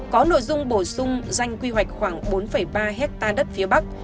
có nội dung bổ sung danh quy hoạch khoảng bốn ba hectare đất phía bắc